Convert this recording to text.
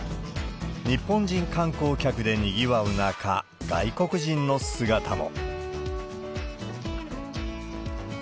日本人観光客でにぎわう中、外国人の姿も。